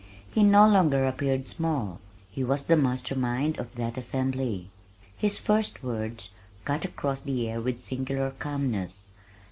He no longer appeared small. His was the master mind of that assembly. His first words cut across the air with singular calmness.